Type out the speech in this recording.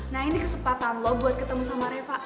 nah ini kesempatan loh buat ketemu sama reva